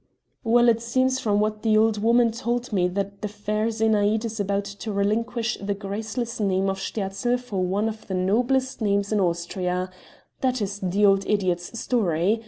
"Well, it seems from what the old woman told me that the fair Zenaïde is about to relinquish the graceless name of Sterzl for one of the noblest names in Austria that is the old idiot's story.